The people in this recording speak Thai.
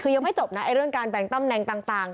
คือยังไม่จบนะเรื่องการแบ่งตำแหน่งต่าง